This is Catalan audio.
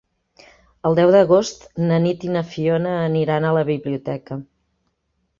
El deu d'agost na Nit i na Fiona aniran a la biblioteca.